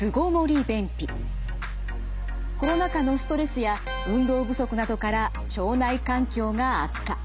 コロナ禍のストレスや運動不足などから腸内環境が悪化。